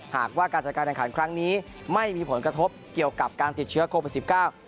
หากว่าการจัดการแข่งขันครั้งนี้ไม่มีผลกระทบเกี่ยวกับการติดเชื้อโควิดสิบเก้า